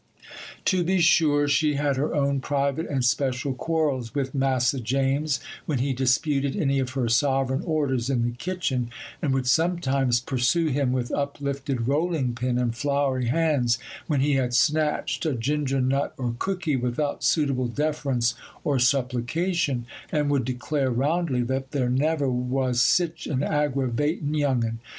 25th, 1859] To be sure, she had her own private and special quarrels with 'Massa James,' when he disputed any of her sovereign orders in the kitchen, and would sometimes pursue him with uplifted rolling pin and floury hands when he had snatched a gingernut or cooky without suitable deference or supplication, and would declare, roundly, that there 'never was sich an aggravatin' young un.